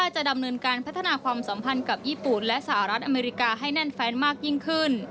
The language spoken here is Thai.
จะดำเนินการพัฒนาความสัมพันธ์กับญี่ปุ่นและสหรัฐอเมริกาให้แน่นแฟนมากยิ่งขึ้น